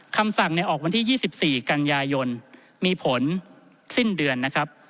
คำสั่งออกวันที่๒๔กันยายนมีผลสิ้นเดือนนะครับ